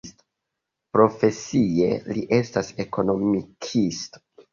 Profesie li estas ekonomikisto.